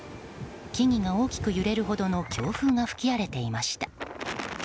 木々が大きく揺れるほどの強風が吹き荒れていました。